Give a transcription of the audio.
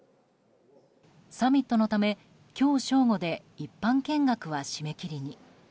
サミットのため今日正午で一般見学は締め切りに。